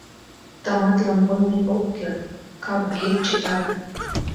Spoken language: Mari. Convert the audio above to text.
Тыматлын ойлен ок керт, капге чытыра.